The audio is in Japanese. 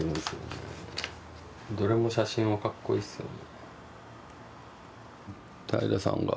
どれも写真はかっこいいっすよね。